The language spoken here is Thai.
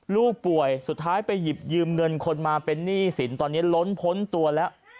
ลูกป่วยสุดท้ายไปหยิบยืมเงินคนมาเป็นหนี้สินตอนนี้ล้นพ้นตัวแล้ว